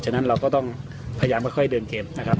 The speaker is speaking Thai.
ฉะนั้นเราก็ต้องพยายามค่อยเดินเกมนะครับ